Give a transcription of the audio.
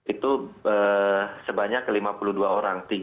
itu sebanyak lima puluh dua orang